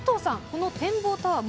この展望タワー